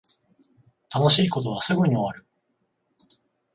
楽しい事はすぐに終わる